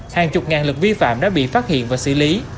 hàng chục ngàn lực vi phạm đã bị phát hiện và xử lý